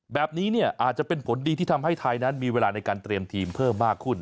แบบนี้เนี่ยอาจจะเป็นผลดีที่ทำให้ไทยนั้นมีเวลาในการเตรียมทีมเพิ่มมากขึ้น